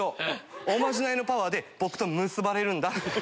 おまじないのパワーで僕と結ばれるんだ。